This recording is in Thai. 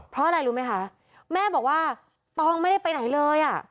เพราะอะไรรู้ไหมคะแม่บอกว่าตองไม่ได้ไปไหนเลยอ่ะ